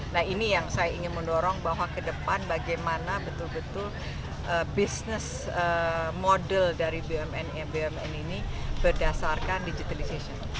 nah ini yang saya ingin mendorong bahwa ke depan bagaimana betul betul business model dari bumn ini berdasarkan digitalization